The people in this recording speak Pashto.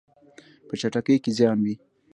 په چټکۍ کې زیان وي.